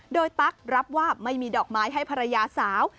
โดยตั๊กรับว่าไม่มีดอกไม้ให้ภรรยาสาว